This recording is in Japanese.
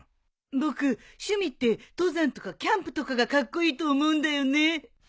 僕趣味って登山とかキャンプとかがカッコイイと思うんだよね。